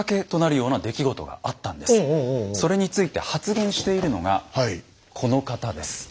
それについて発言しているのがこの方です。